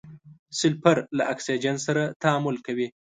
سلفر له اکسیجن سره تعامل کوي.